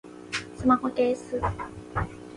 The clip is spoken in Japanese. スマホケース